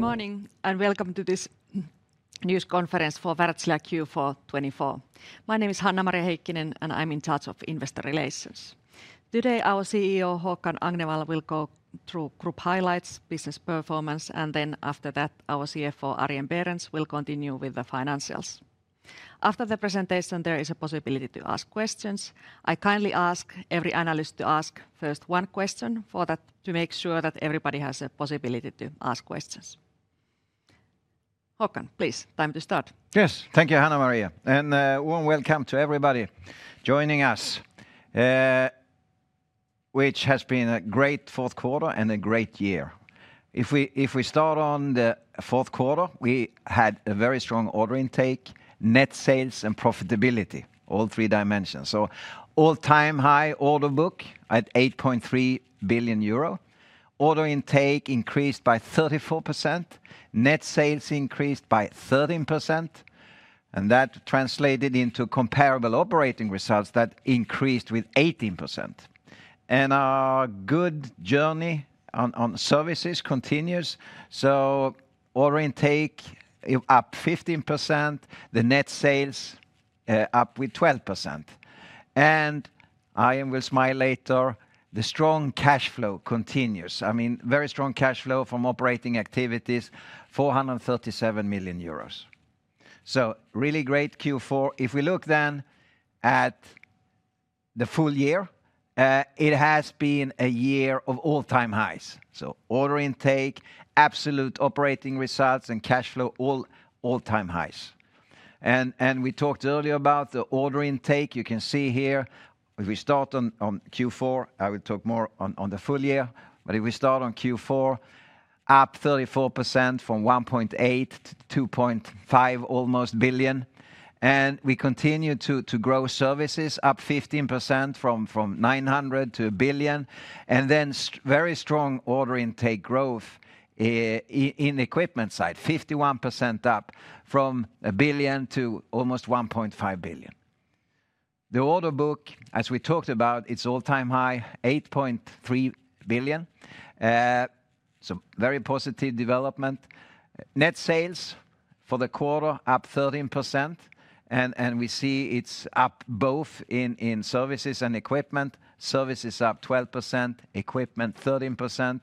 Good morning and welcome to this news conference for Wärtsilä Q4 2024. My name is Hanna-Maria Heikkinen and I'm in charge of investor relations. Today our CEO Håkan Agnevall will go through group highlights, business performance, and then after that our CFO Arjen Berends will continue with the financials. After the presentation there is a possibility to ask questions. I kindly ask every analyst to ask first one question to make sure that everybody has a possibility to ask questions. Håkan, please, time to start. Yes, thank you Hanna-Maria and warm welcome to everybody joining us, which has been a great fourth quarter and a great year. If we start on the fourth quarter, we had a very strong order intake, net sales, and profitability, all three dimensions, so all-time high order book at 8.3 billion euro. Order intake increased by 34%, net sales increased by 13%, and that translated into comparable operating results that increased with 18%, and our good journey on services continues, so order intake up 15%, net sales up with 12%. Arjen will smile later, but the strong cash flow continues. I mean, very strong cash flow from operating activities, 437 million euros. Really great Q4. If we look then at the full year, it has been a year of all-time highs, so order intake, absolute operating results, and cash flow, all-time highs. We talked earlier about the order intake, you can see here. If we start on Q4, I will talk more on the full year, but if we start on Q4, up 34% from 1.8 billion to almost EUR 2.5 billion. We continue to grow services, up 15% from 900 million to 1 billion. Very strong order intake growth in equipment side, 51% up from 1 billion to almost 1.5 billion. The order book, as we talked about, it's all-time high, 8.3 billion. Very positive development. Net sales for the quarter up 13%. We see it's up both in services and equipment. Services up 12%, equipment 13%.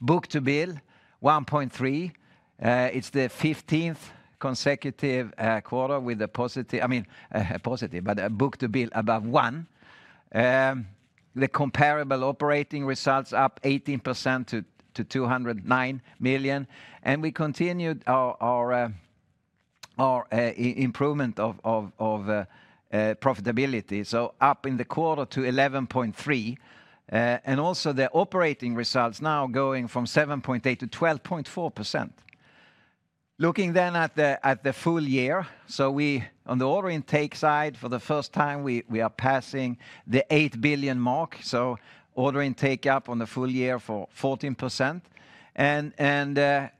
Book-to-bill 1.3. It's the 15th consecutive quarter with a positive, I mean, positive, but a book-to-bill above one. The comparable operating results up 18% to 209 million. We continued our improvement of profitability. So, up in the quarter to 11.3%. And also, the operating results now going from 7.8% to 12.4%. Looking then at the full year, so we on the order intake side for the first time we are passing the 8 billion mark. So, order intake up on the full year for 14%. And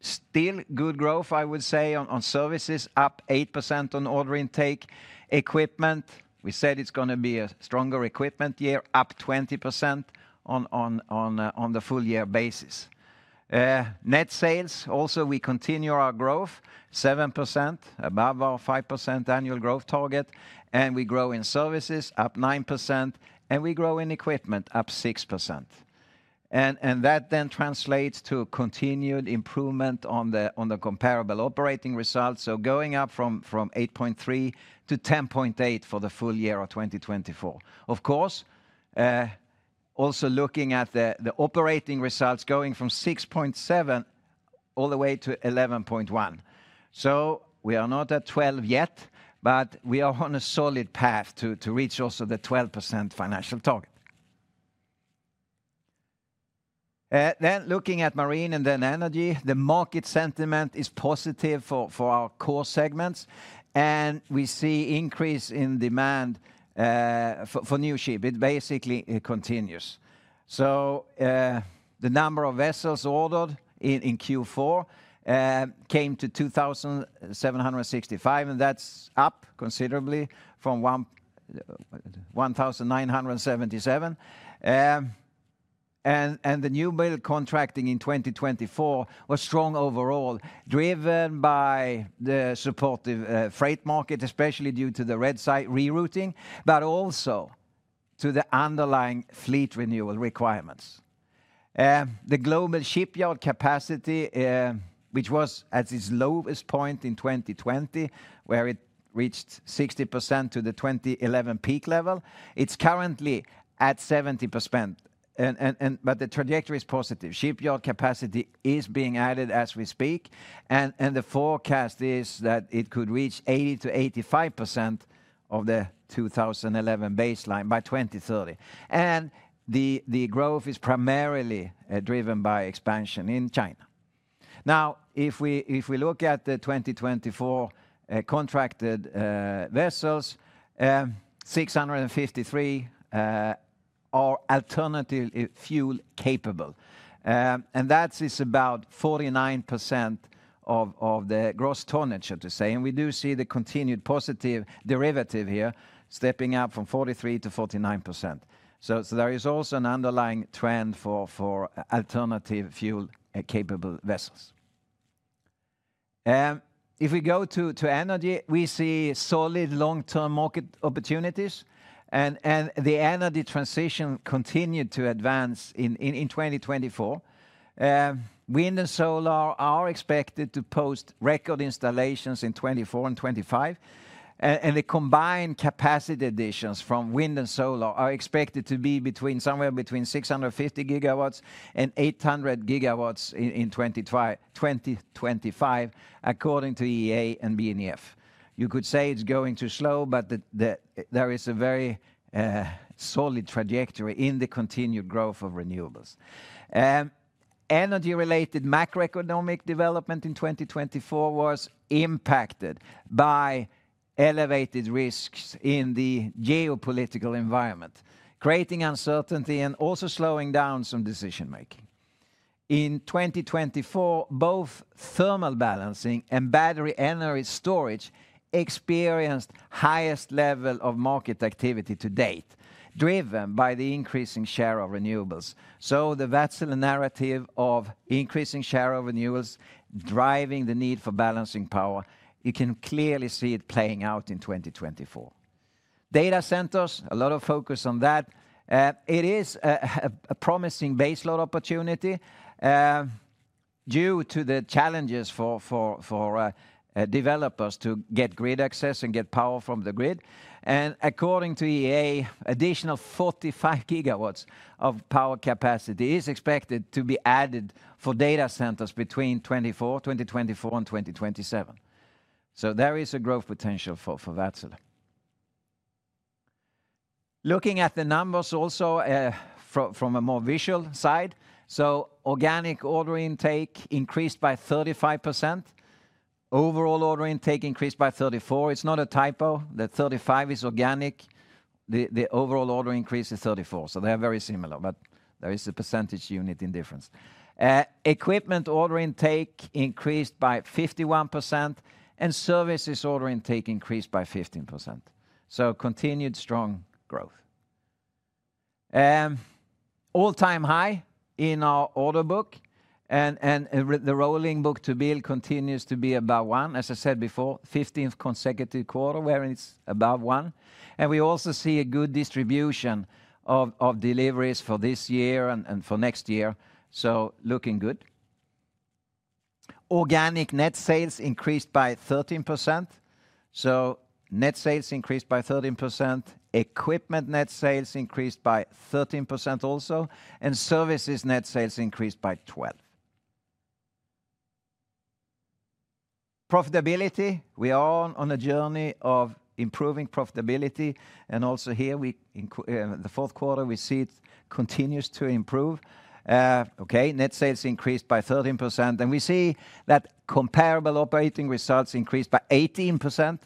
still good growth, I would say, on services, up 8% on order intake. Equipment, we said it's going to be a stronger equipment year, up 20% on the full year basis. Net sales, also we continue our growth, 7% above our 5% annual growth target. And we grow in services, up 9%. And we grow in equipment, up 6%. And that then translates to continued improvement on the comparable operating results. So, going up from 8.3% to 10.8% for the full year of 2024. Of course, also looking at the operating results going from 6.7 all the way to 11.1. So we are not at 12 yet, but we are on a solid path to reach also the 12% financial target. Then looking at marine and then energy, the market sentiment is positive for our core segments. And we see increase in demand for new ship. It basically continues. So the number of vessels ordered in Q4 came to 2,765, and that's up considerably from 1,977. And the new build contracting in 2024 was strong overall, driven by the supportive freight market, especially due to the Red Sea rerouting, but also to the underlying fleet renewal requirements. The global shipyard capacity, which was at its lowest point in 2020, where it reached 60% to the 2011 peak level, it's currently at 70%. But the trajectory is positive. Shipyard capacity is being added as we speak, and the forecast is that it could reach 80% to 85% of the 2011 baseline by 2030, and the growth is primarily driven by expansion in China. Now, if we look at the 2024 contracted vessels, 653 are alternative fuel capable, and that is about 49% of the gross tonnage, to say, and we do see the continued positive derivative here, stepping up from 43% to 49%, so there is also an underlying trend for alternative fuel capable vessels. If we go to energy, we see solid long-term market opportunities, and the energy transition continued to advance in 2024. Wind and solar are expected to post record installations in 2024 and 2025, and the combined capacity additions from wind and solar are expected to be somewhere between 650 GW and 800 GW in 2025, according to IEA and BNEF. You could say it's going too slow, but there is a very solid trajectory in the continued growth of renewables. Energy-related macroeconomic development in 2024 was impacted by elevated risks in the geopolitical environment, creating uncertainty and also slowing down some decision-making. In 2024, both thermal balancing and battery energy storage experienced the highest level of market activity to date, driven by the increasing share of renewables. So the Wärtsilä narrative of increasing share of renewables driving the need for balancing power, you can clearly see it playing out in 2024. Data centers, a lot of focus on that. It is a promising base load opportunity due to the challenges for developers to get grid access and get power from the grid. And according to IEA, additional 45 GW of power capacity is expected to be added for data centers between 2024 and 2027. There is a growth potential for Wärtsilä. Looking at the numbers also from a more visual side, organic order intake increased by 35%. Overall order intake increased by 34%. It's not a typo. The 35% is organic. The overall order increase is 34%. They are very similar, but there is a percentage point difference. Equipment order intake increased by 51%. Services order intake increased by 15%. Continued strong growth. All-time high in our order book. The rolling book-to-bill continues to be above one, as I said before, 15th consecutive quarter where it's above one. We also see a good distribution of deliveries for this year and for next year. Looking good. Organic net sales increased by 13%. Net sales increased by 13%. Equipment net sales increased by 13% also. Services net sales increased by 12%. Profitability, we are on a journey of improving profitability, and also here, the fourth quarter, we see it continues to improve. Okay, net sales increased by 13%, and we see that comparable operating results increased by 18%,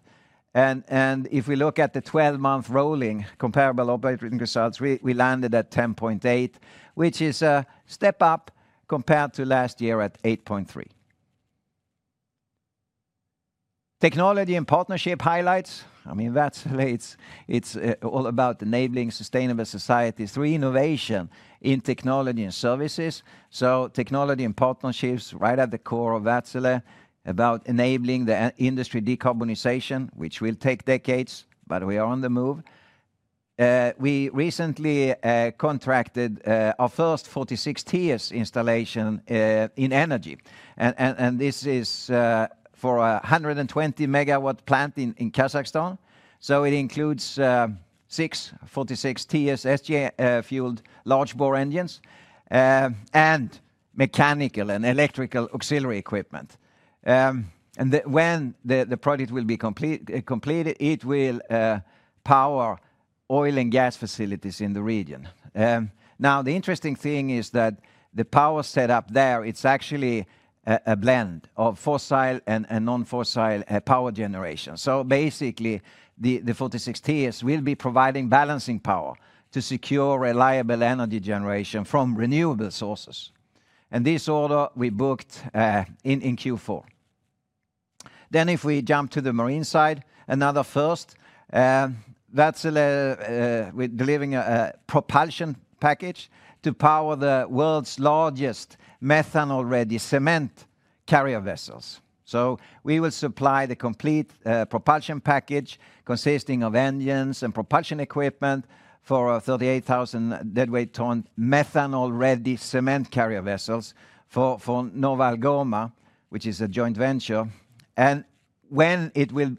and if we look at the 12-month rolling comparable operating results, we landed at 10.8%, which is a step up compared to last year at 8.3%. Technology and partnership highlights. I mean, Wärtsilä, it's all about enabling sustainable societies through innovation in technology and services, so technology and partnerships right at the core of Wärtsilä, about enabling the industry decarbonization, which will take decades, but we are on the move. We recently contracted our first 46TS installation in energy, and this is for a 120 MW plant in Kazakhstan, so it includes six 46TS SG-fueled large-bore engines and mechanical and electrical auxiliary equipment. When the project will be completed, it will power oil and gas facilities in the region. Now, the interesting thing is that the power setup there, it's actually a blend of fossil and non-fossil power generation. Basically, the 46TS will be providing balancing power to secure reliable energy generation from renewable sources. This order we booked in Q4. If we jump to the marine side, another first, Wärtsilä delivering a propulsion package to power the world's largest methanol-ready cement carrier vessels. We will supply the complete propulsion package consisting of engines and propulsion equipment for 38,000 deadweight ton methanol-ready cement carrier vessels for NovaAlgoma, which is a joint venture. When it will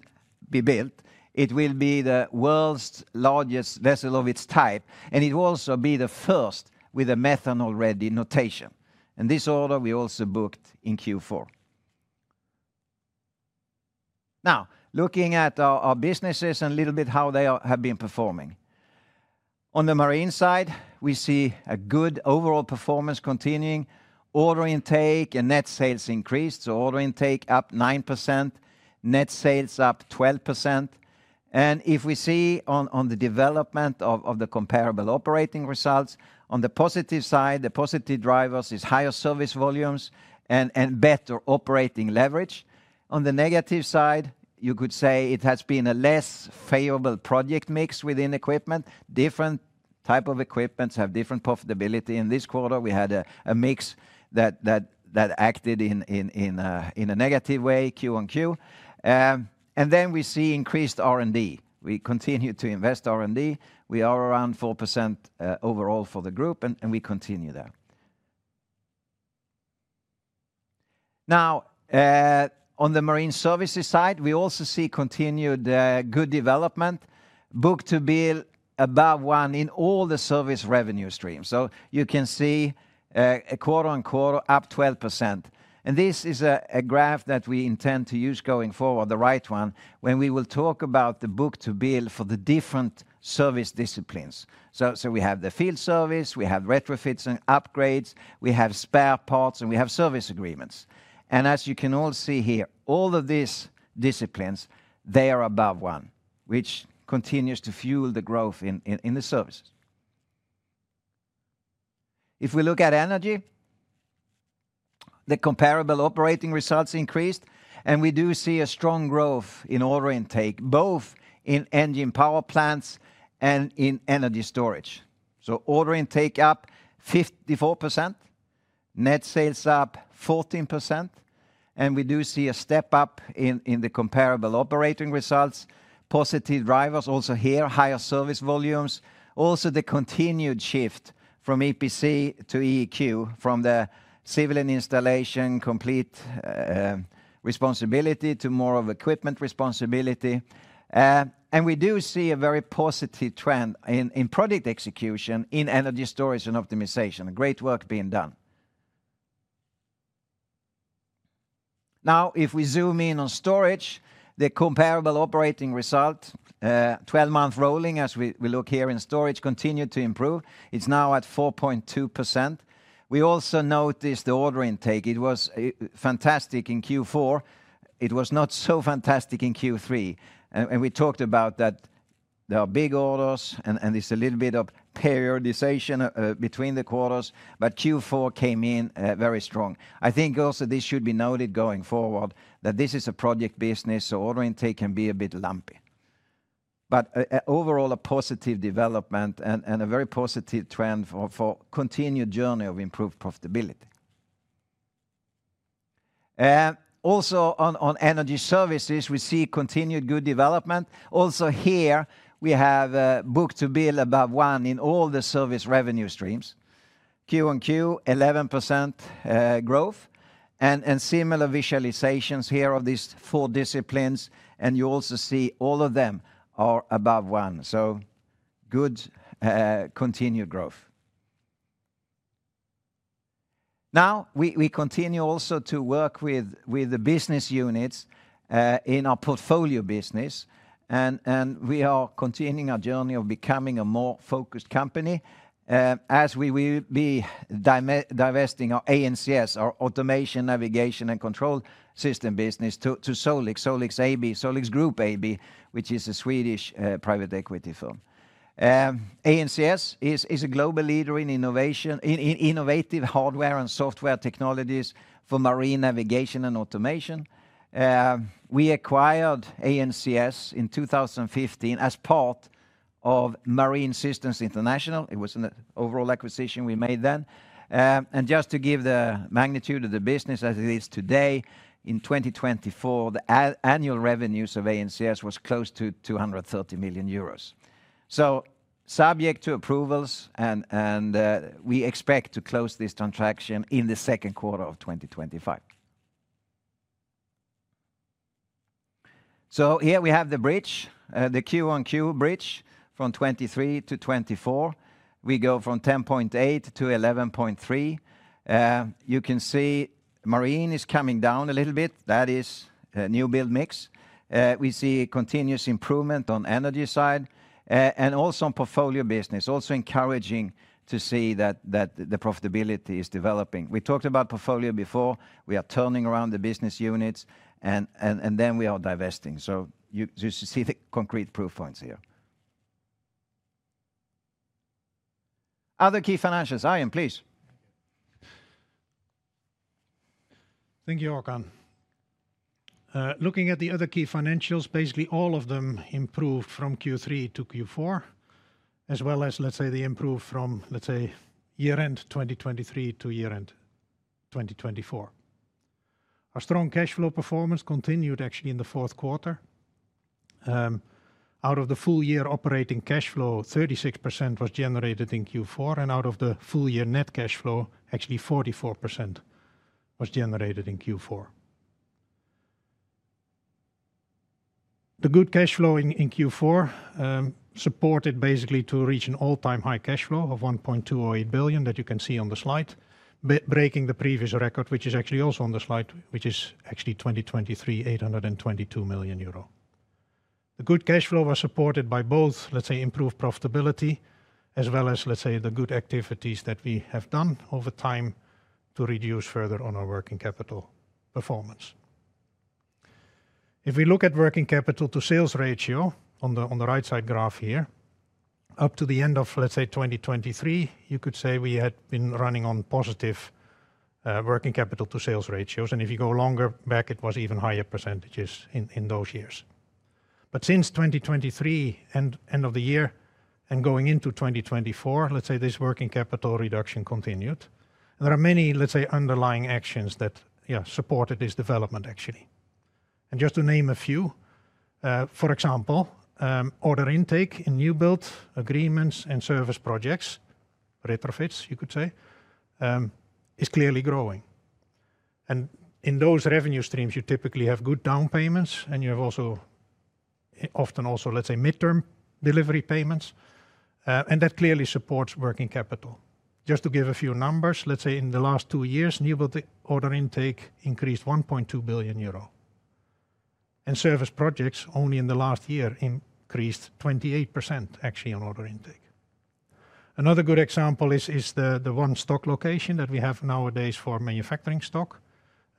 be built, it will be the world's largest vessel of its type. It will also be the first with a methanol-ready notation. This order we also booked in Q4. Now, looking at our businesses and a little bit how they have been performing. On the marine side, we see a good overall performance continuing. Order intake and net sales increased, order intake up 9%, net sales up 12%. If we see on the development of the comparable operating results, on the positive side, the positive drivers is higher service volumes and better operating leverage. On the negative side, you could say it has been a less favorable project mix within equipment. Different types of equipments have different profitability. In this quarter, we had a mix that acted in a negative way, Q on Q. We see increased R&D. We continue to invest R&D. We are around 4% overall for the group, and we continue there. Now, on the marine services side, we also see continued good development. Book-to-bill above one in all the service revenue streams. So you can see a quarter-on-quarter up 12%. And this is a graph that we intend to use going forward, the right one, when we will talk about the book-to-bill for the different service disciplines. So we have the field service, we have retrofits and upgrades, we have spare parts, and we have service agreements. And as you can all see here, all of these disciplines, they are above one, which continues to fuel the growth in the services. If we look at energy, the comparable operating results increased, and we do see a strong growth in order intake, both in engine power plants and in energy storage. So order intake up 54%, net sales up 14%. And we do see a step up in the comparable operating results. Positive drivers also here, higher service volumes. Also the continued shift from EPC to EEQ, from the full installation complete responsibility to more of equipment responsibility. And we do see a very positive trend in project execution in energy storage and optimization. Great work being done. Now, if we zoom in on storage, the comparable operating result, 12-month rolling, as we look here in storage, continued to improve. It's now at 4.2%. We also noticed the order intake. It was fantastic in Q4. It was not so fantastic in Q3. And we talked about that there are big orders and there's a little bit of periodization between the quarters, but Q4 came in very strong. I think also this should be noted going forward that this is a project business, so order intake can be a bit lumpy. Overall, a positive development and a very positive trend for a continued journey of improved profitability. We also see continued good development on energy services. Also here, we have book-to-bill above one in all the service revenue streams. Q on Q, 11% growth. And similar visualizations here of these four disciplines. And you also see all of them are above one. So good continued growth. Now, we continue also to work with the business units in our portfolio business. And we are continuing our journey of becoming a more focused company as we will be divesting our ANCS, our automation, navigation, and control system business to Solix, Solix AB, Solix Group AB, which is a Swedish private equity firm. ANCS is a global leader in innovative hardware and software technologies for marine navigation and automation. We acquired ANCS in 2015 as part of Marine Systems International. It was an overall acquisition we made then. And just to give the magnitude of the business as it is today, in 2024, the annual revenues of ANCS was close to 230 million euros. So subject to approvals, and we expect to close this transaction in the second quarter of 2025. So here we have the bridge, the Q on Q bridge from 23 to 24. We go from 10.8 to 11.3. You can see marine is coming down a little bit. That is a new build mix. We see continuous improvement on energy side and also on portfolio business, also encouraging to see that the profitability is developing. We talked about portfolio before. We are turning around the business units, and then we are divesting. So you see the concrete proof points here. Other key financials. Arjen, please. Thank you, Håkan. Looking at the other key financials, basically all of them improved from Q3 to Q4, as well as, let's say, year-end 2023 to year-end 2024. Our strong cash flow performance continued actually in the fourth quarter. Out of the full year operating cash flow, 36% was generated in Q4, and out of the full year net cash flow, actually 44% was generated in Q4. The good cash flow in Q4 supported basically to reach an all-time high cash flow of 1.28 billion that you can see on the slide, breaking the previous record, which is actually also on the slide, which is actually 2023, 822 million euro. The good cash flow was supported by both, let's say, improved profitability, as well as, let's say, the good activities that we have done over time to reduce further on our working capital performance. If we look at working capital to sales ratio on the right side graph here, up to the end of, let's say, 2023, you could say we had been running on positive working capital to sales ratios. And if you go longer back, it was even higher percentages in those years. But since 2023, end of the year, and going into 2024, let's say this working capital reduction continued. There are many, let's say, underlying actions that supported this development actually. And just to name a few, for example, order intake in new build agreements and service projects, retrofits, you could say, is clearly growing. And in those revenue streams, you typically have good down payments, and you have also often, let's say, midterm delivery payments. And that clearly supports working capital. Just to give a few numbers, let's say in the last two years, new build order intake increased 1.2 billion euro, and service projects only in the last year increased 28% actually on order intake. Another good example is the one stock location that we have nowadays for manufacturing stock.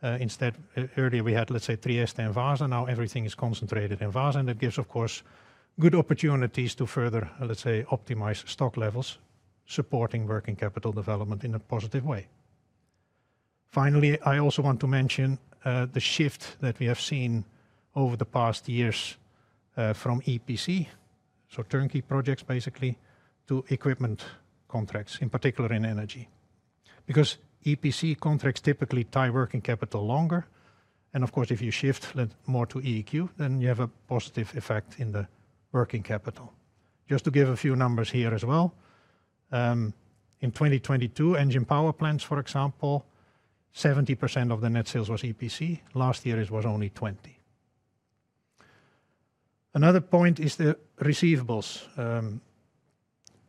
Instead, earlier we had, let's say, Trieste and Vaasa. Now everything is concentrated in Vaasa, and it gives, of course, good opportunities to further, let's say, optimize stock levels, supporting working capital development in a positive way. Finally, I also want to mention the shift that we have seen over the past years from EPC, so turnkey projects basically, to equipment contracts, in particular in energy. Because EPC contracts typically tie working capital longer, and of course, if you shift more to EEQ, then you have a positive effect in the working capital. Just to give a few numbers here as well. In 2022, engine power plants, for example, 70% of the net sales was EPC. Last year, it was only 20%. Another point is the receivables.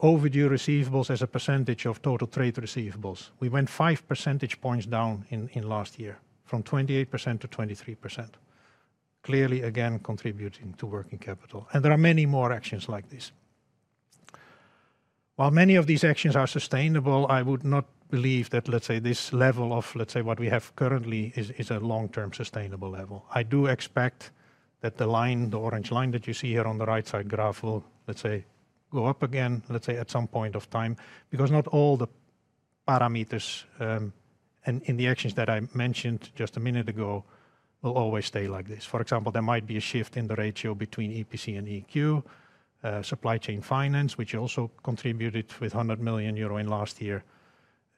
Overdue receivables as a percentage of total trade receivables. We went five percentage points down in last year from 28% to 23%. Clearly, again, contributing to working capital. And there are many more actions like this. While many of these actions are sustainable, I would not believe that, let's say, this level of, let's say, what we have currently is a long-term sustainable level. I do expect that the line, the orange line that you see here on the right side graph will, let's say, go up again, let's say, at some point of time, because not all the parameters in the actions that I mentioned just a minute ago will always stay like this. For example, there might be a shift in the ratio between EPC and EEQ. Supply chain finance, which also contributed 100 million euro last year,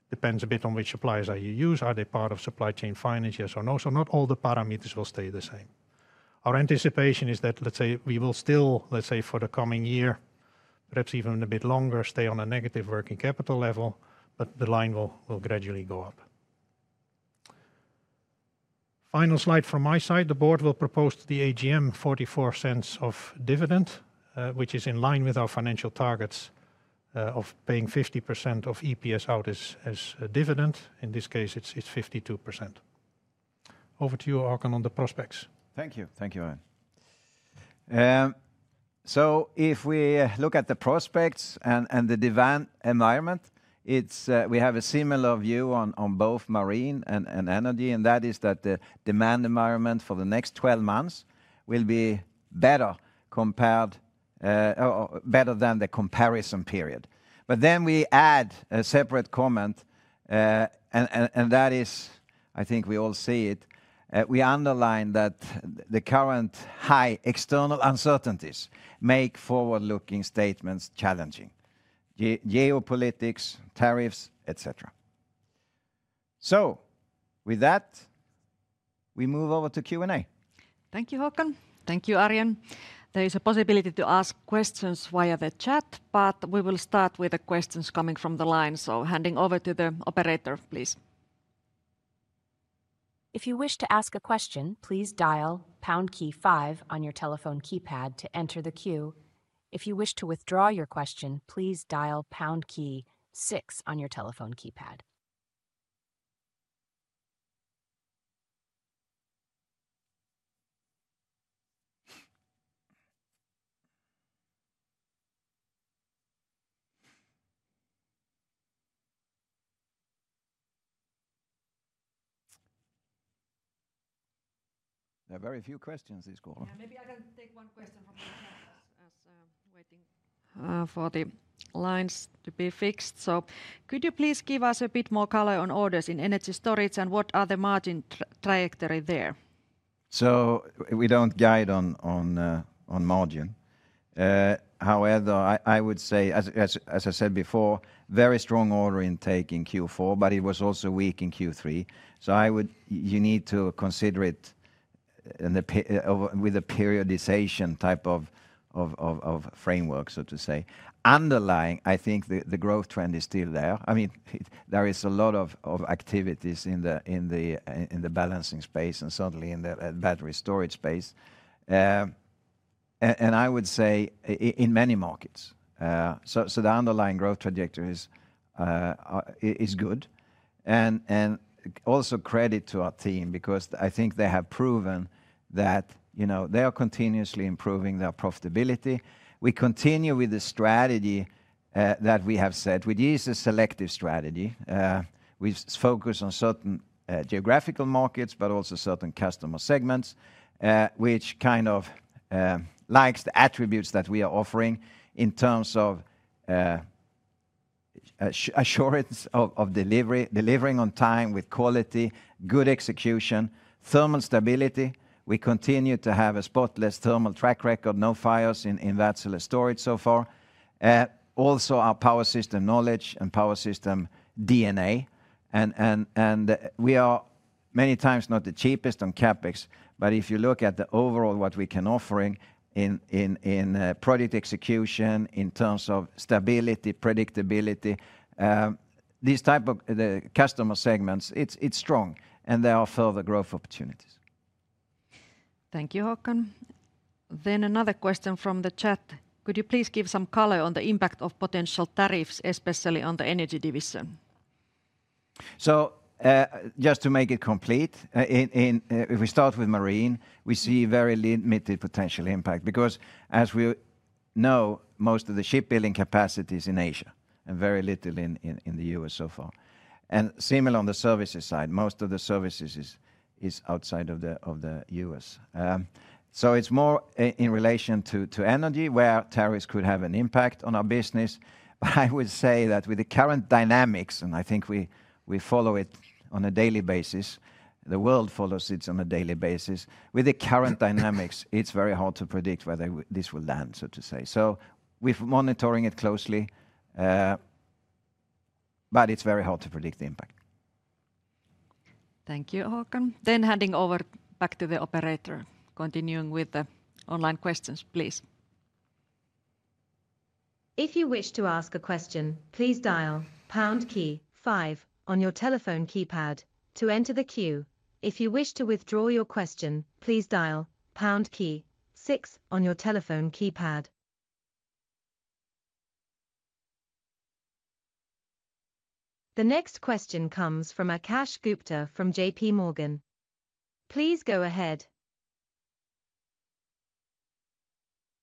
depends a bit on which suppliers you use. Are they part of supply chain finance? Yes or no? So not all the parameters will stay the same. Our anticipation is that, let's say, we will still, let's say, for the coming year, perhaps even a bit longer, stay on a negative working capital level, but the line will gradually go up. Final slide from my side. The board will propose to the AGM a dividend of EUR 0.44, which is in line with our financial targets of paying 50% of EPS out as dividend. In this case, it's 52%. Over to you, Håkan, on the prospects. Thank you. Thank you, Arjen. So if we look at the prospects and the demand environment, we have a similar view on both marine and energy, and that is that the demand environment for the next 12 months will be better than the comparison period. But then we add a separate comment, and that is, I think we all see it. We underline that the current high external uncertainties make forward-looking statements challenging. Geopolitics, tariffs, etc. So with that, we move over to Q&A. Thank you, Håkan. Thank you, Arjen. There is a possibility to ask questions via the chat, but we will start with the questions coming from the line. So handing over to the operator, please. If you wish to ask a question, please dial pound key five on your telephone keypad to enter the queue. If you wish to withdraw your question, please dial pound key six on your telephone keypad. There are very few questions on this call. Maybe I can take one question from my chat while waiting for the lines to be fixed. So could you please give us a bit more color on orders in energy storage and what are the margin trajectory there? So we don't guide on margin. However, I would say, as I said before, very strong order intake in Q4, but it was also weak in Q3. So you need to consider it with a periodization type of framework, so to say. Underlying, I think the growth trend is still there. I mean, there is a lot of activities in the balancing space and certainly in the battery storage space. And I would say in many markets. So the underlying growth trajectory is good. And also credit to our team because I think they have proven that they are continuously improving their profitability. We continue with the strategy that we have set. We use a selective strategy. We focus on certain geographical markets, but also certain customer segments, which kind of likes the attributes that we are offering in terms of assurance of delivering on time with quality, good execution, thermal stability. We continue to have a spotless thermal track record, no fires in battery cell storage so far. Also, our power system knowledge and power system DNA, and we are many times not the cheapest on CapEx, but if you look at the overall what we can offer in project execution in terms of stability, predictability, these type of customer segments, it's strong and there are further growth opportunities. Thank you, Håkan. Another question from the chat. Could you please give some color on the impact of potential tariffs, especially on the energy division? So just to make it complete, if we start with marine, we see very limited potential impact because as we know, most of the shipbuilding capacity is in Asia and very little in the U.S. so far. And similar on the services side, most of the services is outside of the U.S. So it's more in relation to energy where tariffs could have an impact on our business. But I would say that with the current dynamics, and I think we follow it on a daily basis, the world follows it on a daily basis. With the current dynamics, it's very hard to predict whether this will land, so to say. So we're monitoring it closely, but it's very hard to predict the impact. Thank you, Håkan. Then handing over back to the operator, continuing with the online questions, please. If you wish to ask a question, please dial pound key five on your telephone keypad to enter the queue. If you wish to withdraw your question, please dial pound key six on your telephone keypad. The next question comes from Akash Gupta from J.P. Morgan. Please go ahead.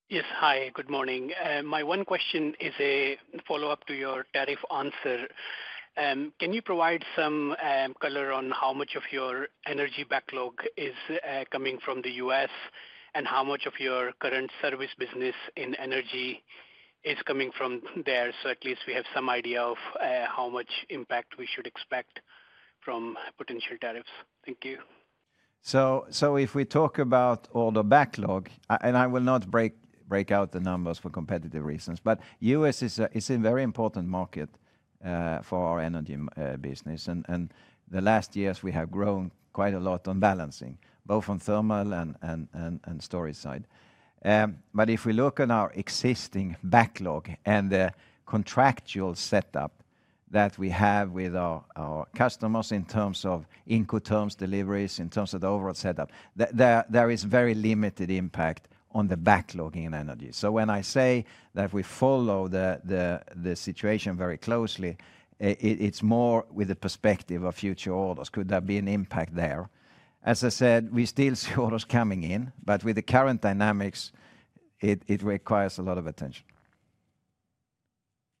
Yes, hi, good morning. My one question is a follow-up to your tariff answer. Can you provide some color on how much of your energy backlog is coming from the U.S. and how much of your current service business in energy is coming from there? So at least we have some idea of how much impact we should expect from potential tariffs. Thank you. So if we talk about order backlog, and I will not break out the numbers for competitive reasons, but U.S. is a very important market for our energy business. And the last years, we have grown quite a lot on balancing, both on thermal and storage side. But if we look at our existing backlog and the contractual setup that we have with our customers in terms of Incoterms deliveries, in terms of the overall setup, there is very limited impact on the backlog in energy. So when I say that we follow the situation very closely, it's more with the perspective of future orders. Could there be an impact there? As I said, we still see orders coming in, but with the current dynamics, it requires a lot of attention.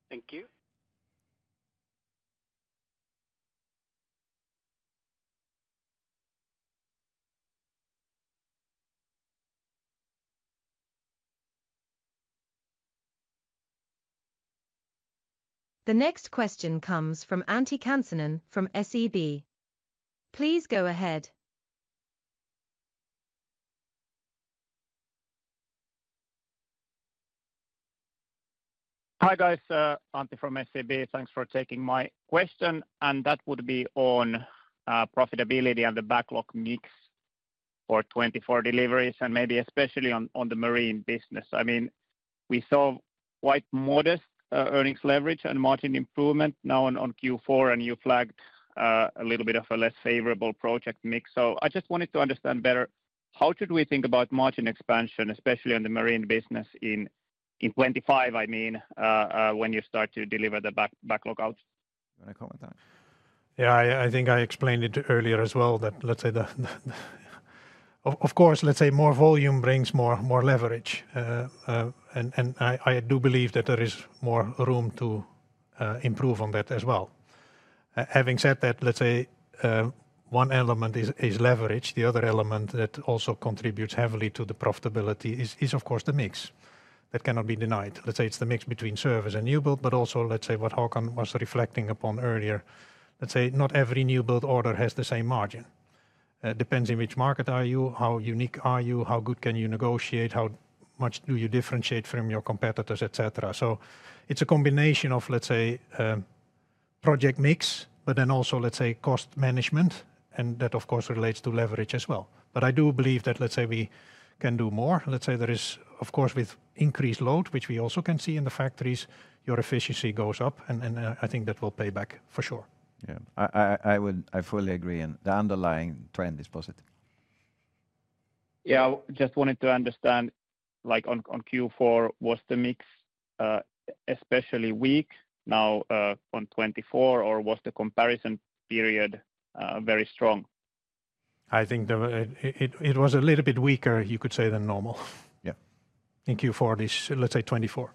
Thank you. The next question comes from Antti Kansanen from SEB. Please go ahead. Hi guys, Antti from SEB. Thanks for taking my question. And that would be on profitability and the backlog mix for 2024 deliveries and maybe especially on the marine business. I mean, we saw quite modest earnings leverage and margin improvement now on Q4, and you flagged a little bit of a less favorable project mix. So I just wanted to understand better how should we think about margin expansion, especially on the marine business in 2025, I mean, when you start to deliver the backlog out. You want to comment on that? Yeah, I think I explained it earlier as well that, let's say, of course, let's say more volume brings more leverage. And I do believe that there is more room to improve on that as well. Having said that, let's say one element is leverage, the other element that also contributes heavily to the profitability is, of course, the mix. That cannot be denied. Let's say it's the mix between service and new build, but also, let's say what Håkan was reflecting upon earlier. Let's say not every new build order has the same margin. It depends in which market are you, how unique are you, how good can you negotiate, how much do you differentiate from your competitors, etc. So it's a combination of, let's say, project mix, but then also, let's say, cost management, and that, of course, relates to leverage as well, but I do believe that, let's say, we can do more. Let's say there is, of course, with increased load, which we also can see in the factories, your efficiency goes up, and I think that will pay back for sure. Yeah, I fully agree, and the underlying trend is positive. Yeah, I just wanted to understand, like on Q4, was the mix especially weak now on 24, or was the comparison period very strong? I think it was a little bit weaker, you could say, than normal. Yeah. In Q4, let's say 2024.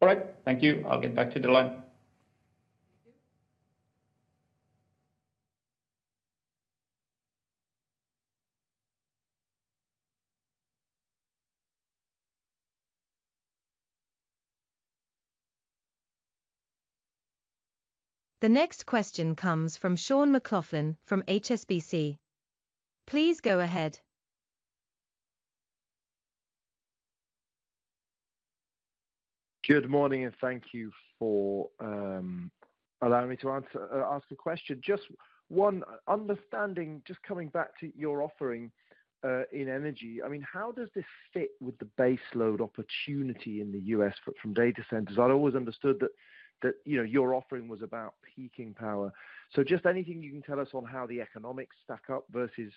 All right, thank you. I'll get back to the line. The next question comes from Sean McLoughlin from HSBC. Please go ahead. Good morning and thank you for allowing me to ask a question. Just one understanding, just coming back to your offering in energy. I mean, how does this fit with the base load opportunity in the U.S. from data centers? I always understood that your offering was about peaking power. So just anything you can tell us on how the economics stack up versus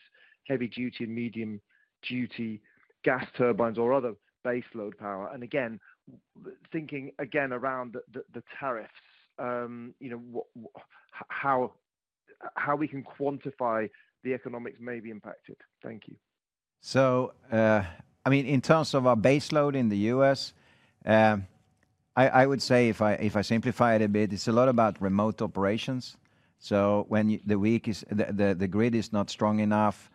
heavy duty and medium duty gas turbines or other base load power. And again, thinking again around the tariffs, how we can quantify the economics may be impacted. Thank you. So I mean, in terms of our base load in the U.S., I would say if I simplify it a bit, it's a lot about remote operations. So when the grid is not strong enough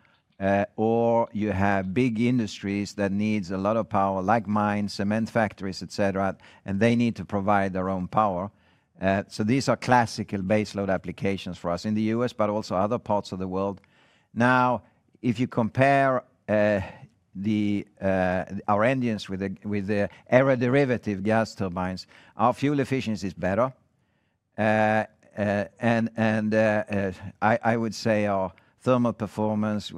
or you have big industries that need a lot of power like mines, cement factories, etc., and they need to provide their own power. So these are classical base load applications for us in the U.S., but also other parts of the world. Now, if you compare our engines with the aeroderivative gas turbines, our fuel efficiency is better. And I would say our thermal performance,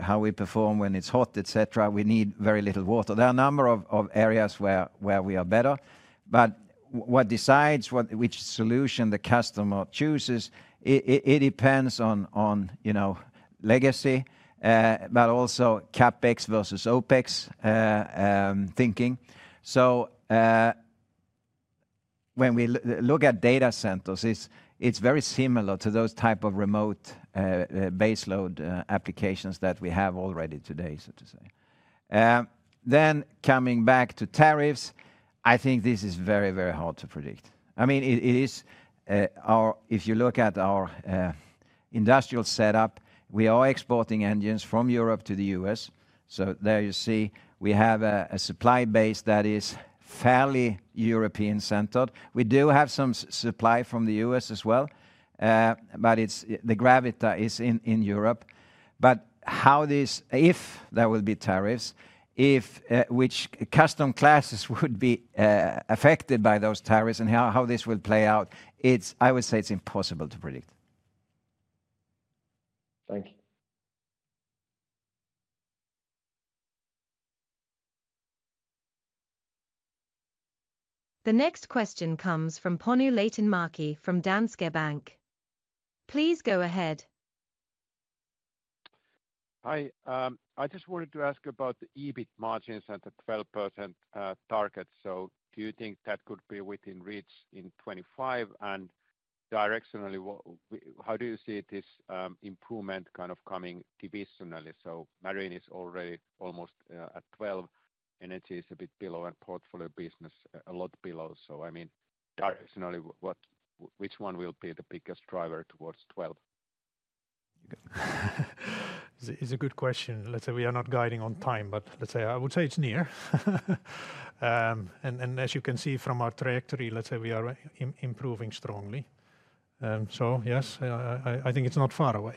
how we perform when it's hot, etc., we need very little water. There are a number of areas where we are better. But what decides which solution the customer chooses, it depends on legacy, but also CapEx versus OpEx thinking. So when we look at data centers, it's very similar to those type of remote base load applications that we have already today, so to say. Then coming back to tariffs, I think this is very, very hard to predict. I mean, if you look at our industrial setup, we are exporting engines from Europe to the U.S. So there you see we have a supply base that is fairly European centered. We do have some supply from the U.S. as well, but the gravity is in Europe. But if there will be tariffs, which custom classes would be affected by those tariffs and how this will play out, I would say it's impossible to predict. Thank you. The next question comes from Panu Laitinmäki from Danske Bank. Please go ahead. Hi, I just wanted to ask about the EBIT margins and the 12% target. So do you think that could be within reach in 2025? And directionally, how do you see this improvement kind of coming divisionally? So marine is already almost at 12, energy is a bit below, and portfolio business a lot below. So I mean, directionally, which one will be the biggest driver towards 12? It's a good question. Let's say we are not guiding on time, but let's say I would say it's near. And as you can see from our trajectory, let's say we are improving strongly. So yes, I think it's not far away.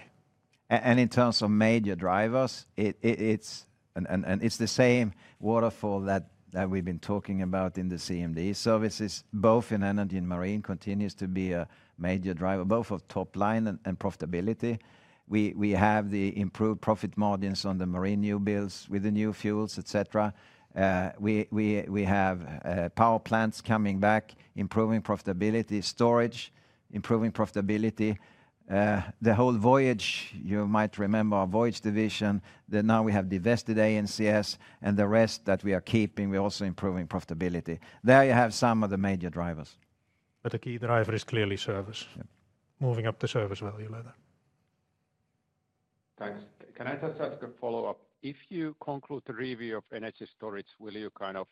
And in terms of major drivers, it's the same waterfall that we've been talking about in the CMD services. Both in energy and marine continues to be a major driver, both of top line and profitability. We have the improved profit margins on the marine new builds with the new fuels, etc. We have power plants coming back, improving profitability, storage, improving profitability. The whole Voyage, you might remember our Voyage division, that now we have divested ANCS and the rest that we are keeping, we're also improving profitability. There you have some of the major drivers. But the key driver is clearly service. Moving up the service value ladder. Thanks. Can I just ask a follow-up? If you conclude the review of energy storage, will you kind of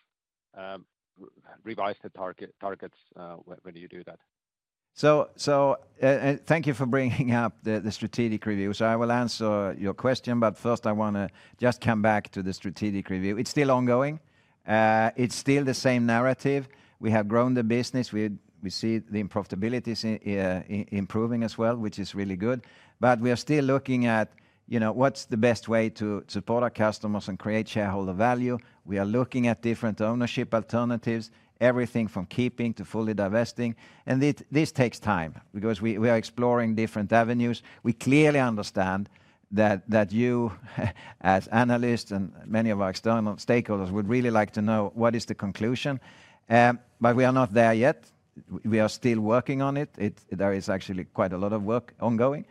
revise the targets when you do that? So thank you for bringing up the strategic review. So I will answer your question, but first I want to just come back to the strategic review. It's still ongoing. It's still the same narrative. We have grown the business. We see the profitability is improving as well, which is really good. But we are still looking at what's the best way to support our customers and create shareholder value. We are looking at different ownership alternatives, everything from keeping to fully divesting. And this takes time because we are exploring different avenues. We clearly understand that you as analysts and many of our external stakeholders would really like to know what is the conclusion. But we are not there yet. We are still working on it. There is actually quite a lot of work ongoing.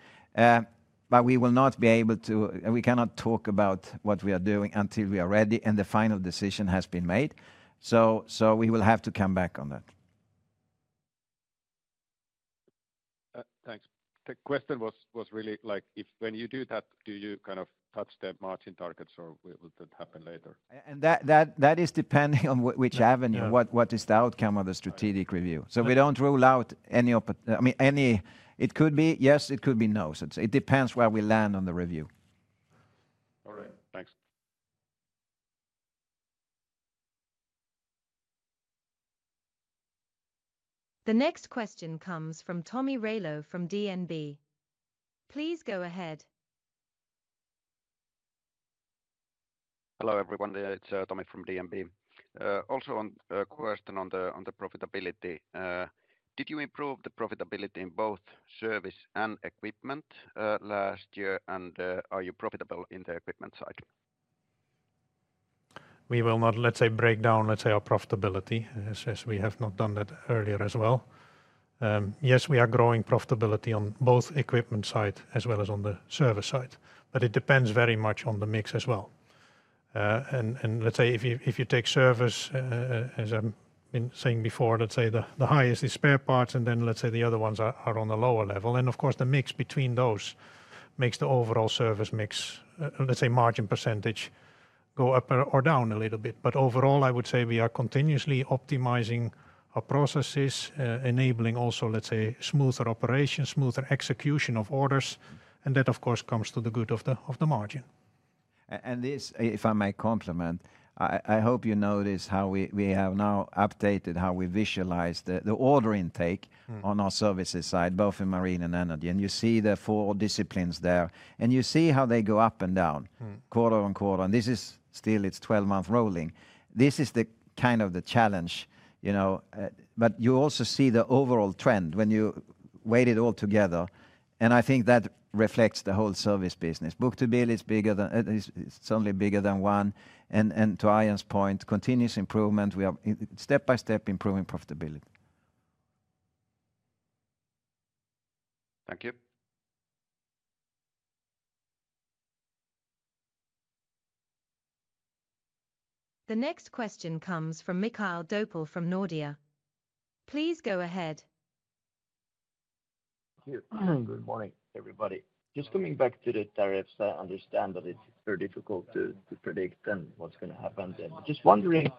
But we will not be able to, we cannot talk about what we are doing until we are ready and the final decision has been made. So we will have to come back on that. Thanks. The question was really like if when you do that, do you kind of touch the margin targets or will that happen later? And that is depending on which avenue, what is the outcome of the strategic review. So we don't rule out any, I mean, any. It could be yes, it could be no. So it depends where we land on the review. All right, thanks. The next question comes from Tomi Railo from DNB. Please go ahead. Hello everyone, it's Tomi from DNB. Also a question on the profitability. Did you improve the profitability in both service and equipment last year and are you profitable in the equipment side? We will not, let's say, break down, let's say, our profitability since we have not done that earlier as well. Yes, we are growing profitability on both equipment side as well as on the service side. But it depends very much on the mix as well. And let's say if you take service, as I've been saying before, let's say the highest is spare parts and then let's say the other ones are on a lower level. Of course, the mix between those makes the overall service mix, let's say, margin percentage go up or down a little bit. But overall, I would say we are continuously optimizing our processes, enabling also, let's say, smoother operation, smoother execution of orders. And that, of course, comes to the good of the margin. And this, if I may complement, I hope you notice how we have now updated how we visualize the order intake on our services side, both in marine and energy. And you see the four disciplines there and you see how they go up and down quarter on quarter. And this is still its 12-month rolling. This is the kind of challenge. But you also see the overall trend when you weigh it all together. And I think that reflects the whole service business. Book-to-bill is bigger, certainly bigger than one. To Arjen's point, continuous improvement, we are step by step improving profitability. Thank you. The next question comes from Mikael Doepel from Nordea. Please go ahead. Good morning, everybody. Just coming back to the tariffs, I understand that it's very difficult to predict them, what's going to happen. Just wondering,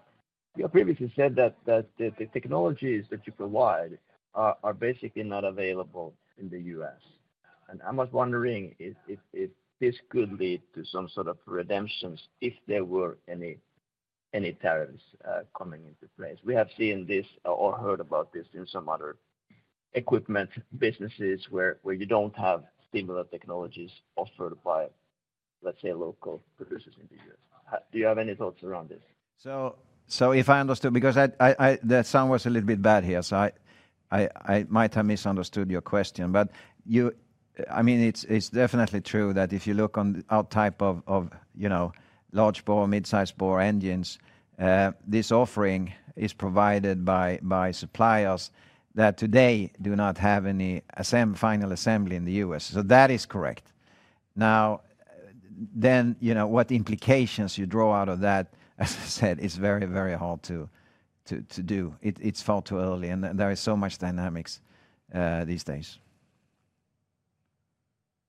you previously said that the technologies that you provide are basically not available in the U.S. And I'm just wondering if this could lead to some sort of exemptions if there were any tariffs coming into place. We have seen this or heard about this in some other equipment businesses where you don't have similar technologies offered by, let's say, local producers in the U.S. Do you have any thoughts around this? So if I understood, because the sound was a little bit bad here, so I might have misunderstood your question. I mean, it's definitely true that if you look on our type of large bore, mid-size bore engines, this offering is provided by suppliers that today do not have any final assembly in the U.S. So that is correct. Now, then what implications you draw out of that, as I said, is very, very hard to do. It's far too early and there is so much dynamics these days.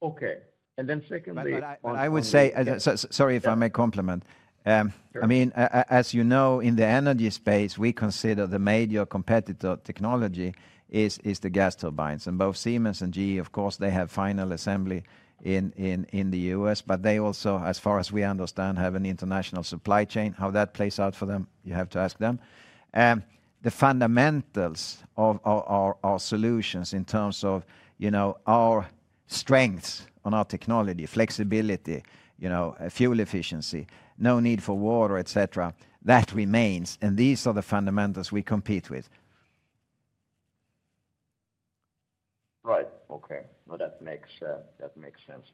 Okay. And then secondly. I would say, sorry if I may comment. I mean, as you know, in the energy space, we consider the major competitor technology is the gas turbines. And both Siemens and GE, of course, they have final assembly in the U.S., but they also, as far as we understand, have an international supply chain. How that plays out for them, you have to ask them. The fundamentals of our solutions in terms of our strengths on our technology, flexibility, fuel efficiency, no need for water, etc. That remains. These are the fundamentals we compete with. Right. Okay. That makes sense.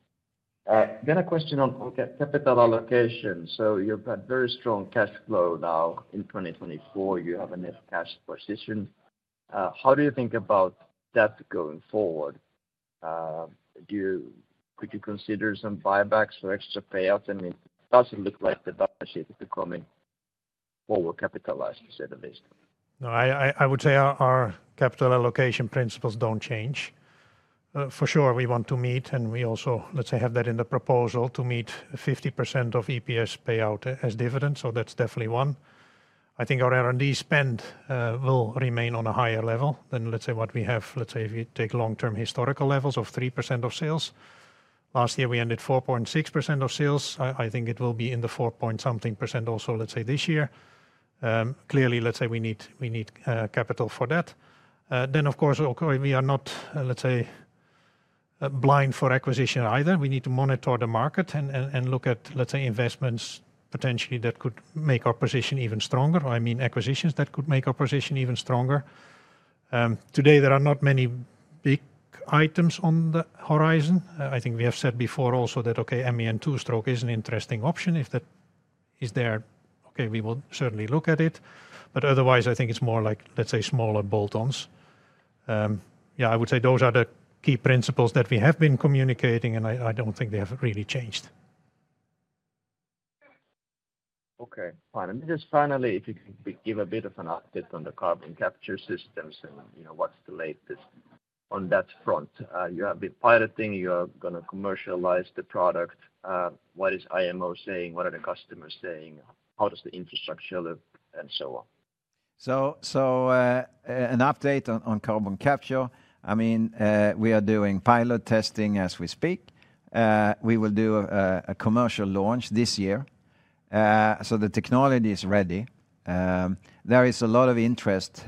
A question on capital allocation. You've had very strong cash flow now in 2024. You have a net cash position. How do you think about that going forward? Could you consider some buybacks or extra payouts? I mean, does it look like the balance sheet is becoming forward capitalized, to say the least? No, I would say our capital allocation principles don't change. For sure, we want to meet and we also, let's say, have that in the proposal to meet 50% of EPS payout as dividends. So that's definitely one. I think our R&D spend will remain on a higher level than, let's say, what we have. Let's say if you take long-term historical levels of 3% of sales. Last year, we ended 4.6% of sales. I think it will be in the 4 point something % also, let's say, this year. Clearly, let's say we need capital for that. Then, of course, we are not, let's say, blind for acquisition either. We need to monitor the market and look at, let's say, investments potentially that could make our position even stronger. I mean, acquisitions that could make our position even stronger. Today, there are not many big items on the horizon. I think we have said before also that, okay, MAN 2-stroke is an interesting option. If that is there, okay, we will certainly look at it. But otherwise, I think it's more like, let's say, smaller bolt-ons. Yeah, I would say those are the key principles that we have been communicating and I don't think they have really changed. Okay. Finally, if you can give a bit of an update on the carbon capture systems and what's the latest on that front. You have been piloting, you are going to commercialize the product. What is IMO saying? What are the customers saying? How does the infrastructure look and so on? So an update on carbon capture, I mean, we are doing pilot testing as we speak. We will do a commercial launch this year. So the technology is ready. There is a lot of interest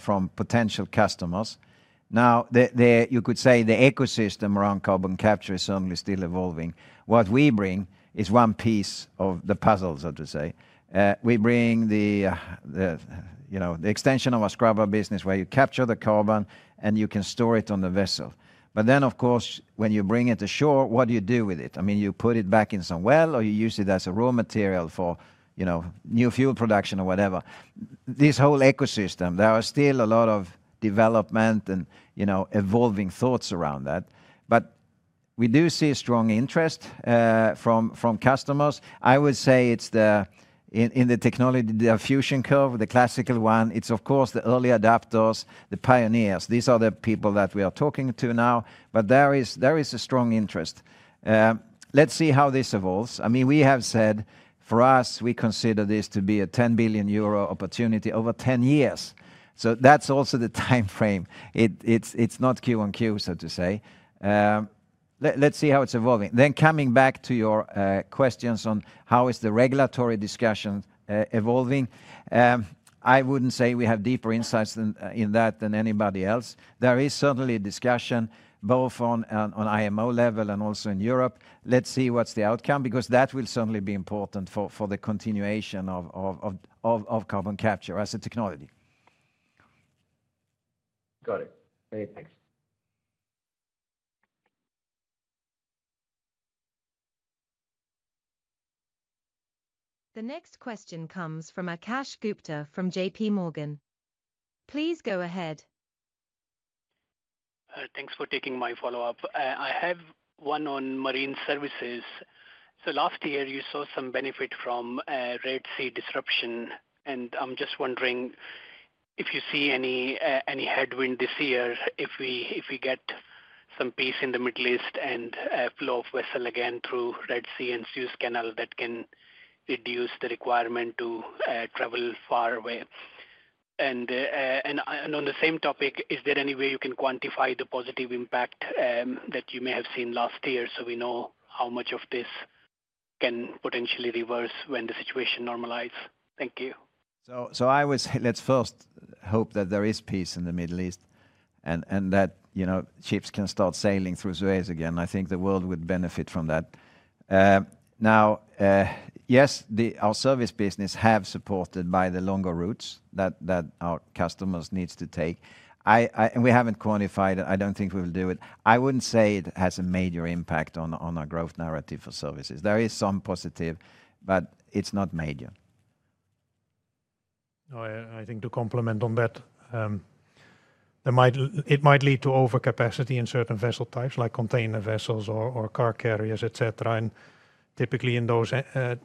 from potential customers. Now, you could say the ecosystem around carbon capture is certainly still evolving. What we bring is one piece of the puzzle, so to say. We bring the extension of our scrubber business where you capture the carbon and you can store it on the vessel. But then, of course, when you bring it ashore, what do you do with it? I mean, you put it back in some well or you use it as a raw material for new fuel production or whatever. This whole ecosystem, there are still a lot of development and evolving thoughts around that. But we do see a strong interest from customers. I would say it's in the technology, the fusion curve, the classical one, it's of course the early adopters, the pioneers. These are the people that we are talking to now, but there is a strong interest. Let's see how this evolves. I mean, we have said for us, we consider this to be a 10 billion euro opportunity over 10 years. So that's also the time frame. It's not Q on Q, so to say. Let's see how it's evolving. Then coming back to your questions on how is the regulatory discussion evolving, I wouldn't say we have deeper insights in that than anybody else. There is certainly a discussion both on IMO level and also in Europe. Let's see what's the outcome because that will certainly be important for the continuation of carbon capture as a technology. Got it. Thanks. The next question comes from Akash Gupta from J.P. Morgan. Please go ahead. Thanks for taking my follow-up. I have one on marine services. So last year, you saw some benefit from Red Sea disruption. And I'm just wondering if you see any headwind this year if we get some peace in the Middle East and flow of vessel again through Red Sea and Suez Canal that can reduce the requirement to travel far away? And on the same topic, is there any way you can quantify the positive impact that you may have seen last year so we know how much of this can potentially reverse when the situation normalizes? Thank you. So let's first hope that there is peace in the Middle East and that ships can start sailing through Suez again. I think the world would benefit from that. Now, yes, our service business has supported by the longer routes that our customers need to take. We haven't quantified it. I don't think we will do it. I wouldn't say it has a major impact on our growth narrative for services. There is some positive, but it's not major. I think to complement on that, it might lead to overcapacity in certain vessel types like container vessels or car carriers, etc. And typically in those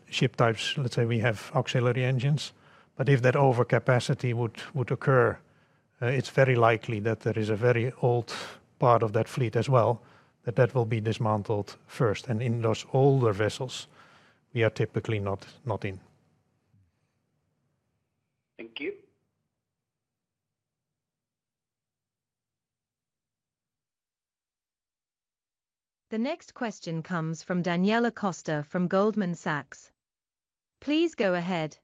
ship types, let's say we have auxiliary engines. But if that overcapacity would occur, it's very likely that there is a very old part of that fleet as well that that will be dismantled first. And in those older vessels, we are typically not in. Thank you. The next question comes from Daniela Costa from Goldman Sachs. Please go ahead.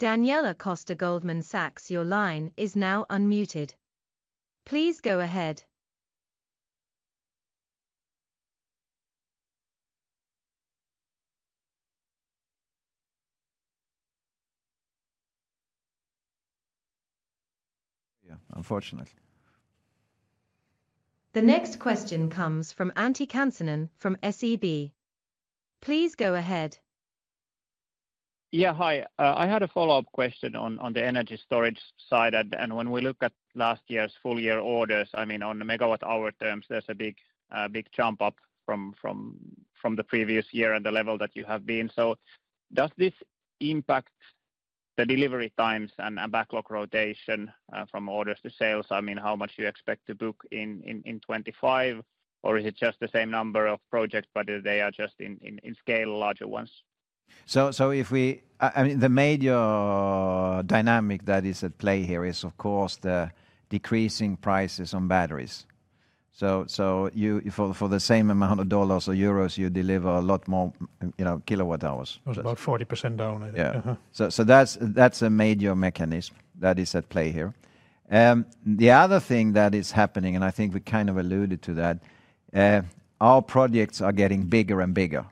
Daniela Costa, Goldman Sachs, your line is now unmuted. Please go ahead. Unfortunately. The next question comes from Antti Kansanen from SEB. Please go ahead. Yeah, hi. I had a follow-up question on the energy storage side. When we look at last year's full year orders, I mean, on the megawatt hour terms, there's a big jump up from the previous year and the level that you have been. So does this impact the delivery times and backlog rotation from orders to sales? I mean, how much you expect to book in 2025, or is it just the same number of projects, but they are just in scale, larger ones? So if we, I mean, the major dynamic that is at play here is, of course, the decreasing prices on batteries. So for the same amount of dollars or euros, you deliver a lot more kilowatt hours. About 40% down, I think. So that's a major mechanism that is at play here. The other thing that is happening, and I think we kind of alluded to that, our projects are getting bigger and bigger,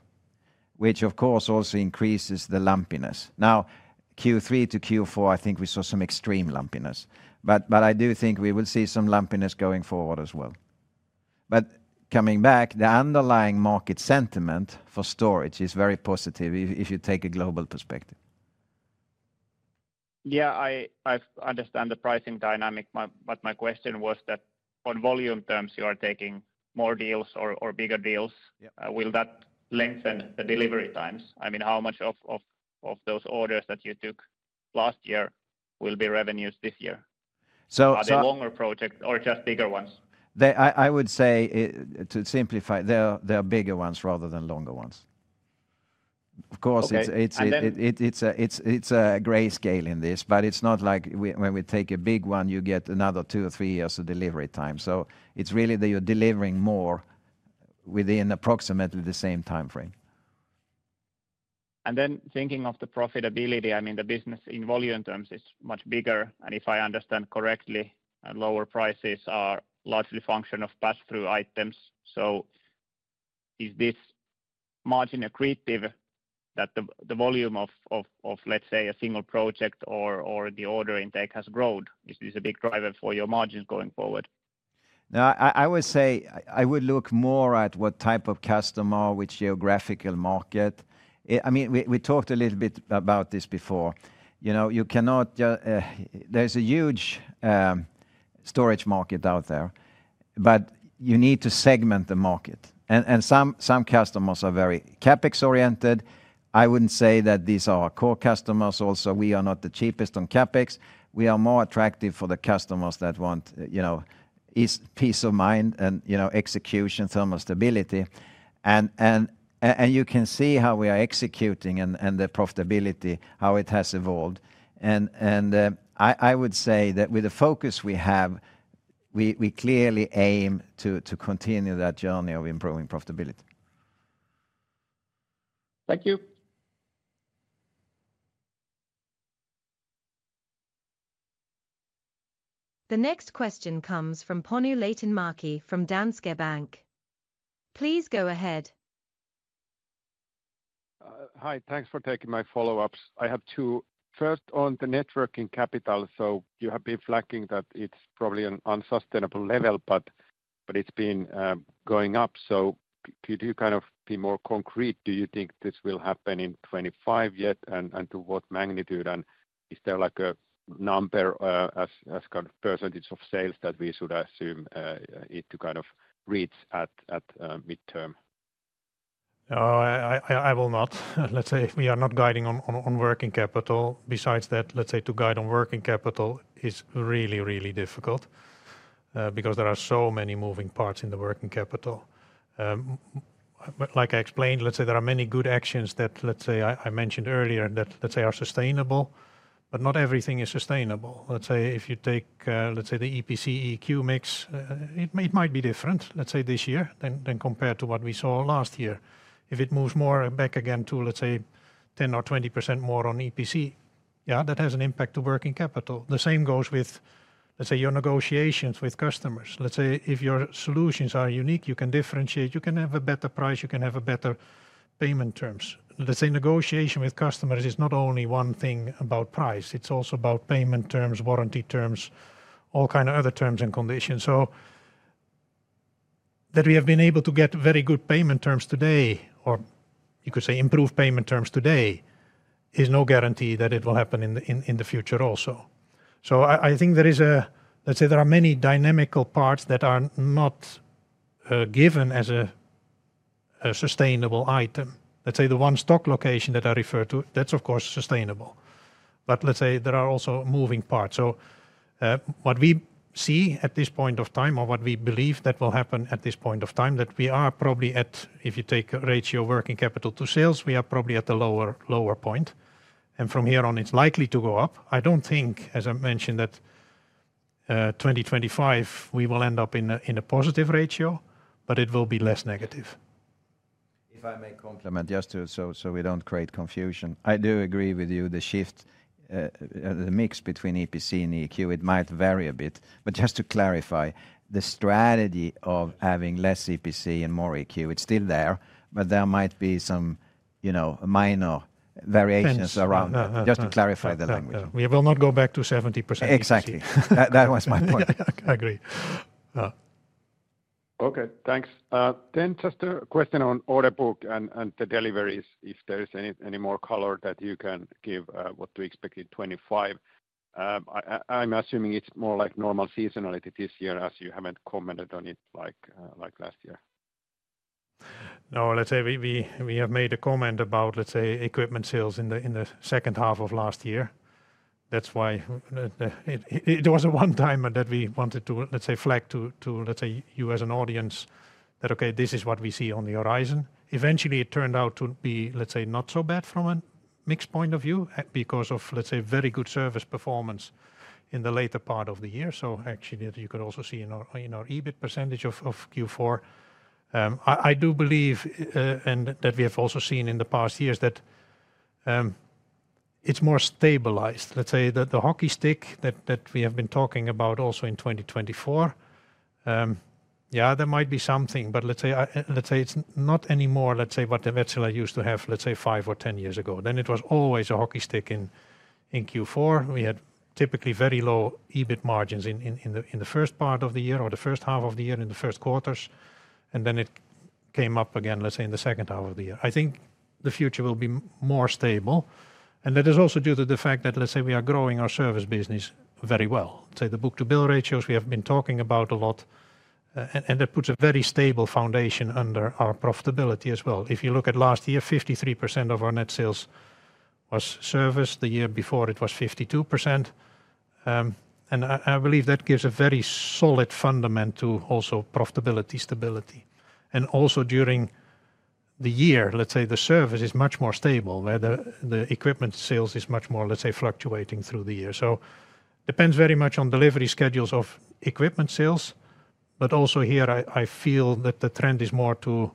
which of course also increases the lumpiness. Now, Q3 to Q4, I think we saw some extreme lumpiness. But I do think we will see some lumpiness going forward as well. But coming back, the underlying market sentiment for storage is very positive if you take a global perspective. Yeah, I understand the pricing dynamic. But my question was that on volume terms, you are taking more deals or bigger deals. Will that lengthen the delivery times? I mean, how much of those orders that you took last year will be revenues this year? Are they longer projects or just bigger ones? I would say to simplify, they're bigger ones rather than longer ones. Of course, it's a grayscale in this, but it's not like when we take a big one, you get another two or three years of delivery time. So it's really that you're delivering more within approximately the same time frame. And then thinking of the profitability, I mean, the business in volume terms is much bigger. And if I understand correctly, lower prices are largely a function of pass-through items. So is this margin accretive that the volume of, let's say, a single project or the order intake has grown? Is this a big driver for your margins going forward? Now, I would say I would look more at what type of customer, which geographical market. I mean, we talked a little bit about this before. There's a huge storage market out there, but you need to segment the market. And some customers are very CapEx oriented. I wouldn't say that these are our core customers. Also, we are not the cheapest on CapEx. We are more attractive for the customers that want peace of mind and execution, thermal stability. And you can see how we are executing and the profitability, how it has evolved. And I would say that with the focus we have, we clearly aim to continue that journey of improving profitability. Thank you. The next question comes from Panu Laitinmäki from Danske Bank. Please go ahead. Hi, thanks for taking my follow-ups. I have two. First, on the net working capital, so you have been flagging that it's probably an unsustainable level, but it's been going up. So could you kind of be more concrete? Do you think this will happen in 2025 yet and to what magnitude? And is there like a number as kind of percentage of sales that we should assume it to kind of reach at midterm? I will not. Let's say we are not guiding on working capital. Besides that, let's say to guide on working capital is really, really difficult because there are so many moving parts in the working capital. Like I explained, let's say there are many good actions that, let's say I mentioned earlier that, let's say are sustainable, but not everything is sustainable. Let's say if you take, let's say the EPC EEQ mix, it might be different, let's say this year than compared to what we saw last year. If it moves more back again to, let's say, 10% or 20% more on EPC, yeah, that has an impact to working capital. The same goes with, let's say your negotiations with customers. Let's say if your solutions are unique, you can differentiate, you can have a better price, you can have better payment terms. Let's say negotiation with customers is not only one thing about price, it's also about payment terms, warranty terms, all kinds of other terms and conditions. So that we have been able to get very good payment terms today, or you could say improve payment terms today, is no guarantee that it will happen in the future also. So I think there is a, let's say there are many dynamic parts that are not given as a sustainable item. Let's say the one stock location that I refer to, that's of course sustainable. But let's say there are also moving parts. So what we see at this point of time or what we believe that will happen at this point of time, that we are probably at, if you take ratio working capital to sales, we are probably at the lower point. And from here on, it's likely to go up. I don't think, as I mentioned, that 2025 we will end up in a positive ratio, but it will be less negative. If I may supplement just so we don't create confusion. I do agree with you, the shift, the mix between EPC and EEQ, it might vary a bit. But just to clarify, the strategy of having less EPC and more EEQ, it's still there, but there might be some minor variations around it. Just to clarify the language. We will not go back to 70%. Exactly. That was my point. I agree. Okay, thanks. Then just a question on order book and the deliveries, if there's any more color that you can give what to expect in 2025. I'm assuming it's more like normal seasonality this year as you haven't commented on it like last year. No, let's say we have made a comment about, let's say, equipment sales in the second half of last year. That's why it was a one-timer that we wanted to, let's say, flag to, let's say, you as an audience that, okay, this is what we see on the horizon. Eventually, it turned out to be, let's say, not so bad from a mixed point of view because of, let's say, very good service performance in the later part of the year. So actually, you could also see in our EBIT percentage of Q4. I do believe that we have also seen in the past years that it's more stabilized. Let's say the hockey stick that we have been talking about also in 2024, yeah, there might be something, but let's say it's not anymore, let's say, what we used to have, let's say, five or 10 years ago. Then it was always a hockey stick in Q4. We had typically very low EBIT margins in the first part of the year or the first half of the year in the first quarters. And then it came up again, let's say, in the second half of the year. I think the future will be more stable. And that is also due to the fact that, let's say, we are growing our service business very well. Let's say the book-to-bill ratios we have been talking about a lot, and that puts a very stable foundation under our profitability as well. If you look at last year, 53% of our net sales was service. The year before, it was 52%. And I believe that gives a very solid fundament to also profitability stability. And also during the year, let's say, the service is much more stable where the equipment sales is much more, let's say, fluctuating through the year. So it depends very much on delivery schedules of equipment sales. But also here, I feel that the trend is more to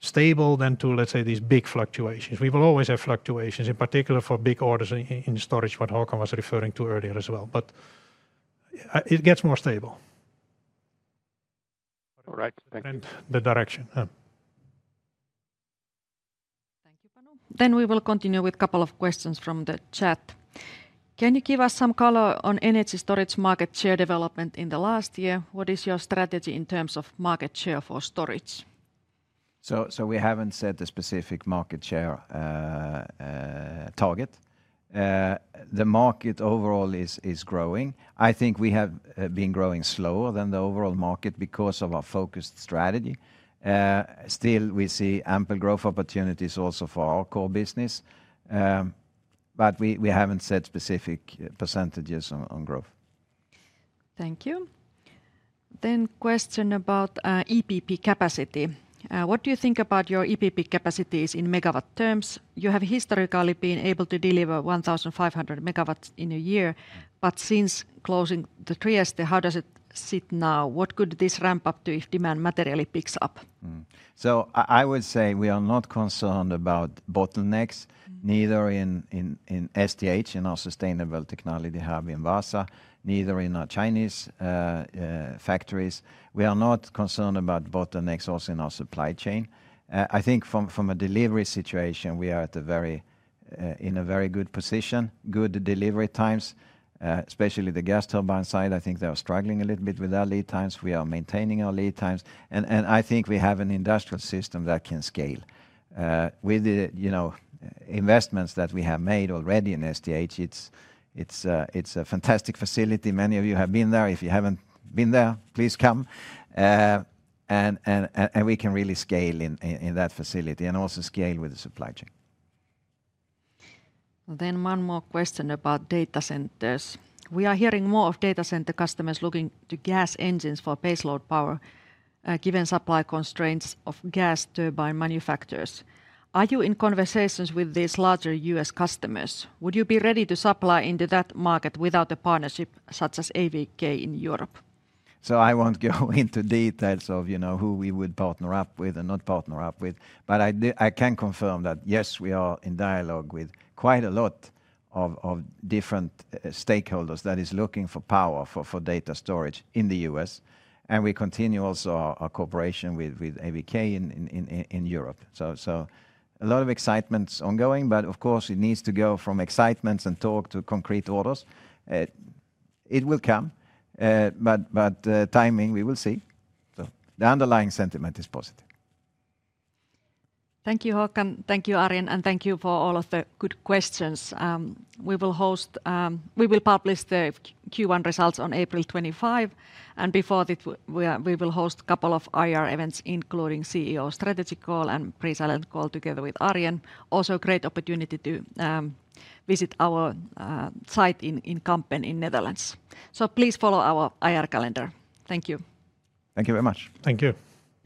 stable than to, let's say, these big fluctuations. We will always have fluctuations, in particular for big orders in storage, what Håkan was referring to earlier as well. But it gets more stable. All right. Thank you. And the direction. Thank you, Panu. Then we will continue with a couple of questions from the chat. Can you give us some color on energy storage market share development in the last year? What is your strategy in terms of market share for storage? So we haven't set a specific market share target. The market overall is growing. I think we have been growing slower than the overall market because of our focused strategy. Still, we see ample growth opportunities also for our core business. But we haven't set specific percentages on growth. Thank you. Then question about EPP capacity. What do you think about your EPP capacities in megawatt terms? You have historically been able to deliver 1,500 MW in a year, but since closing the Trieste, how does it sit now? What could this ramp up to if demand materially picks up? So I would say we are not concerned about bottlenecks, neither in STH, in our Sustainable Technology Hub in Vaasa, neither in our Chinese factories. We are not concerned about bottlenecks also in our supply chain. I think from a delivery situation, we are in a very good position, good delivery times, especially the gas turbine side. I think they are struggling a little bit with our lead times. We are maintaining our lead times. And I think we have an industrial system that can scale. With the investments that we have made already in STH, it's a fantastic facility. Many of you have been there. If you haven't been there, please come. And we can really scale in that facility and also scale with the supply chain. Then one more question about data centers. We are hearing more of data center customers looking to gas engines for baseload power, given supply constraints of gas turbine manufacturers. Are you in conversations with these larger U.S. customers? Would you be ready to supply into that market without a partnership such as AVK in Europe? So I won't go into details of who we would partner up with and not partner up with. But I can confirm that, yes, we are in dialogue with quite a lot of different stakeholders that are looking for power for data storage in the U.S. And we continue also our cooperation with AVK in Europe. So a lot of excitement ongoing. But of course, it needs to go from excitement and talk to concrete orders. It will come. But timing, we will see. So the underlying sentiment is positive. Thank you, Håkan. Thank you, Arjen. Thank you for all of the good questions. We will publish the Q1 results on April 25. Before that, we will host a couple of IR events, including CEO strategy call and pre-silent call together with Arjen. Also, great opportunity to visit our site in Kampen in Netherlands. Please follow our IR calendar. Thank you. Thank you very much. Thank you.